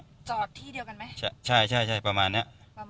จอดที่เดียวกันไหมใช่ใช่ประมาณเนี้ย